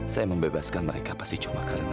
saya membebaskan mereka pasti cuma karena